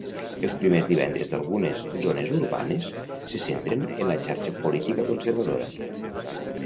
Els primers divendres d'algunes zones urbanes se centren en la xarxa política conservadora.